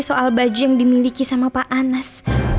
soal baju yang dimiliki sama pak anas